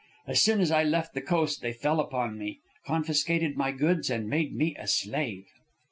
As soon as I left the coast they fell upon me, confiscated my goods, and made me a slave."